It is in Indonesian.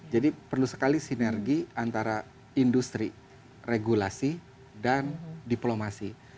jadi perlu sekali sinergi antara industri regulasi dan diplomasi